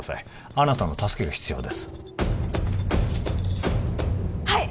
あなたの助けが必要ですはい！